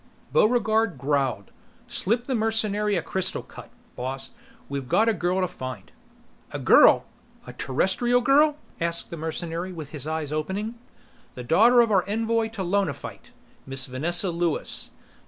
Buregarde growled, "Slip the mercenary a crystal cut, boss. We've got a girl to find!" "A girl? A Terrestrial girl?" asked the mercenary with his eyes opening. "The daughter of our envoy to Lonaphite. Miss Vanessa Lewis.